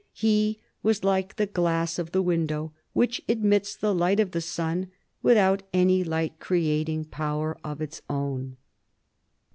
He was like the glass of the window, which admits the light of the sun without any light creating power of its own.